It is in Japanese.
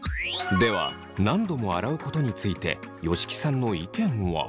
では何度も洗うことについて吉木さんの意見は。